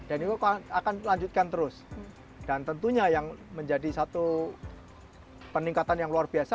dan itu akan dilanjutkan terus dan tentunya yang menjadi satu peningkatan yang luar biasa